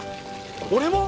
俺も！？